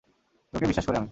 তোকে বিশ্বাস করি আমি!